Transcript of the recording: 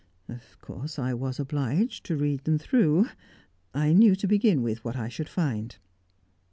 Of course I was obliged to read them through; I knew to begin with what I should find.